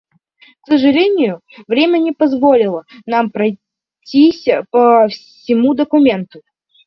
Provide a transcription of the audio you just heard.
К сожалению, время не позволило нам пройтись по всему документу.